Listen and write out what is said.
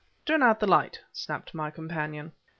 "Turn out the light!" snapped my companion.